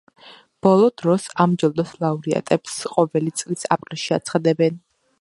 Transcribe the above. ბოლო დროს ამ ჯილდოს ლაურეატებს ყოველი წლის აპრილში აცხადებენ.